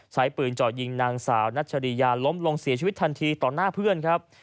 ใช้ปืนเจาะยิงนางสาวนัชริยาล้มลงเสียชีวิตทันทีต่อหน้าเพื่อนครับ